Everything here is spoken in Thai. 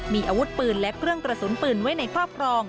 มีอาวุธปืนและเครื่องกระสุนปืนไว้ในครอบครอง